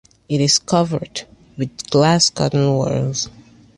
It is covered with glass curtain walls.